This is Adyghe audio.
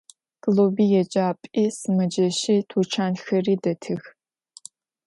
Klubi, yêcap'i, sımeceşi, tuçanxeri detıx.